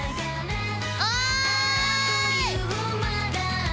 おい。